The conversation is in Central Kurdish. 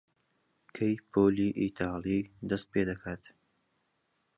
کەی پۆلی ئیتاڵی دەست پێ دەکات؟